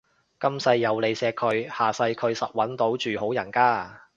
今世有你錫佢，下世佢實搵到住好人家